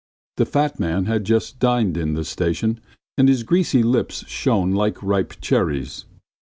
The fat man had just dined in the station and his greasy lips shone like ripe cherries.